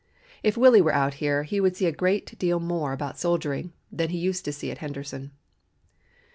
If Willie were out here he would see a great deal more about soldiering than he used to see at Henderson."